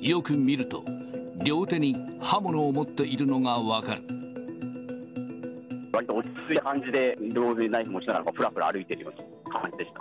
よく見ると、両手に刃物を持ってわりと落ち着いた感じで、両手にナイフ持ちながら、ふらふら歩いている感じでしたね。